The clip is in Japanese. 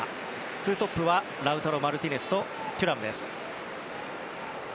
２トップは、ラウタロ・マルティネスとテュラムです。